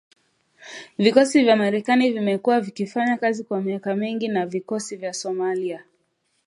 Vikosi vya Marekani vimekuwa vikifanya kazi kwa miaka mingi na vikosi vya Somalia